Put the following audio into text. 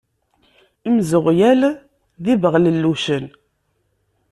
Imzeɣyal d ibeɣlellucen.